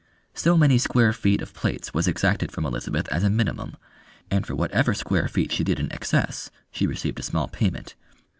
So many square feet of plates was exacted from Elizabeth as a minimum, and for whatever square feet she did in excess she received a small payment.